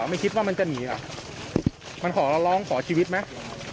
ไม่คิดว่ามันก็ถึงหนีอ่ะมันขอร้องขอชีวิตมั้ย